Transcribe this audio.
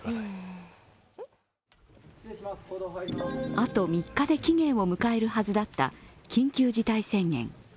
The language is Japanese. あと３日で期限を迎えるはずだった緊急事態宣言。